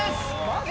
マジ？